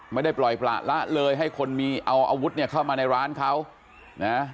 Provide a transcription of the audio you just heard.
ไม่ได้ปล่อยประละเลยให้คนมีเอาอาวุธเนี่ยเข้ามาในร้านเขานะ